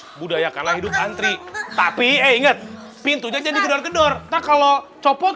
terus budayakanlah hidup antri tapi inget pintunya jadi gedor gedor tak kalau copot